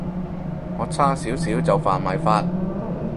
我差少少就犯埋法